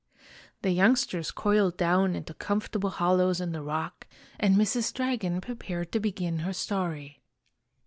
The youngsters coiled down into comfortable hollows in the rock, and Mrs. Dragon prepared to begin her story.